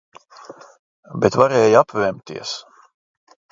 Bet varēja apvemties.